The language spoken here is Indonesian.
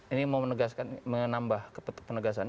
ini mau menambah kepenegasan